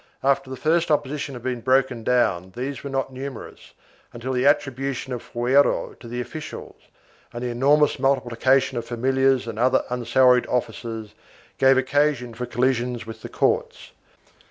After the first opposi tion had been broken down these were not numerous, until the attribution of the fuero to the officials, and the enormous multi plication of familiars and other unsalaried officers, gave occasion for collisions with the courts.